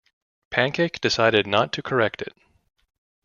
Pancake decided not to correct it.